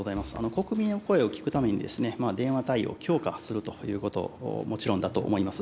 国民の声を聞くために、電話対応を強化するということ、もちろんだと思います。